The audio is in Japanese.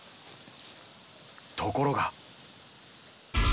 ところが。